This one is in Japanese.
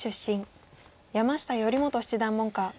山下順源七段門下。